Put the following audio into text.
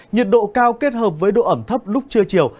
nhiệt độ cao kết hợp với độ ẩm thấp lúc trưa chiều